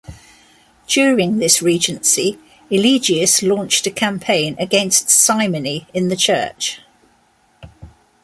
During this regency, Eligius launched a campaign against simony in the church.